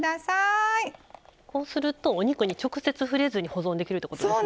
こうするとお肉に直接触れずに保存できるってことですね。